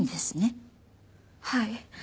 はい。